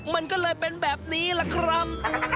มันก็เลยเป็นแบบนี้ล่ะครับ